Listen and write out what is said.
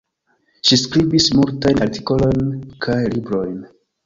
Ŝi skribis multajn artikolojn kaj librojn.